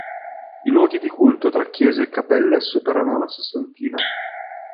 I luoghi di culto, tra chiese e cappelle, superano la sessantina.